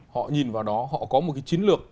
họ nhìn vào đó họ có một cái chiến lược